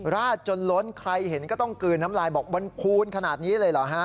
ราดจนล้นใครเห็นก็ต้องกลืนน้ำลายบอกบนภูนขนาดนี้เลยเหรอฮะ